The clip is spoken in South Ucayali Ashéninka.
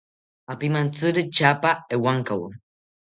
Apimantziri tyaapa ewankawo